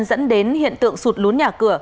dẫn đến hiện tượng sụt lún nhà cửa